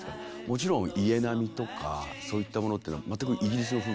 もちろん家並みとかそういったものってのはへえ。